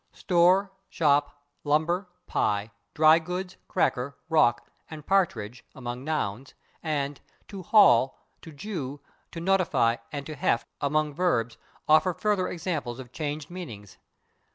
/Store/, /shop/, /lumber/, /pie/, /dry goods/, /cracker/, /rock/ and /partridge/ among nouns and /to haul/, /to jew/, /to notify/ and /to heft/ among verbs offer further examples of changed meanings.